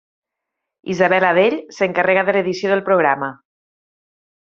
Isabel Adell s'encarrega de l'edició del programa.